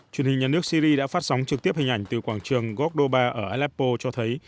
truyền hình nhà nước syri đã phát sóng trực tiếp hình ảnh từ quảng trường gokdoba ở aleppo cho thấy